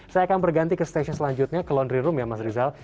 saya akan berganti ke stasiun selanjutnya ke laundry room ya mas rizal